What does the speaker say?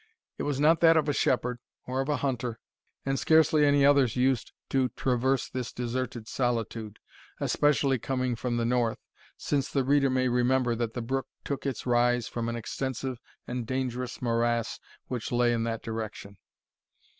It was not that of a shepherd, or of a hunter, and scarcely any others used to traverse this deserted solitude, especially coming from the north, since the reader may remember that the brook took its rise from an extensive and dangerous morass which lay in that direction.